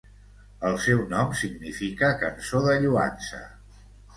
El seu nom significa "Cançó de Lloança".